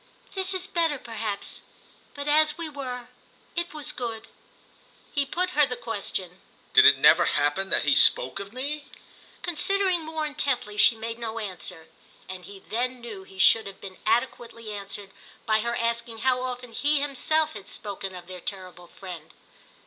"This is better perhaps; but as we were—it was good." He put her the question. "Did it never happen that he spoke of me?" Considering more intently she made no answer, and he then knew he should have been adequately answered by her asking how often he himself had spoken of their terrible friend.